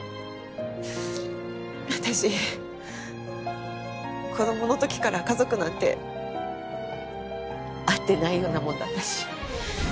私子どもの時から家族なんてあってないようなものだったし。